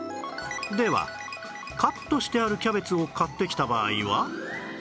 ではカットしてあるキャベツを買ってきた場合は？